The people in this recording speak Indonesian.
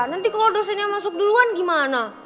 nanti kalau dosennya masuk duluan gimana